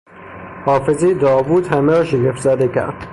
حافظهی داوود همه را شگفتزده کرد.